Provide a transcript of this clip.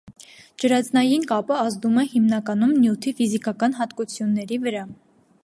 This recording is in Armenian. Ջրածնային կապը ազդում է հիմնականում նյութի ֆիզիկական հատկությունների վրա։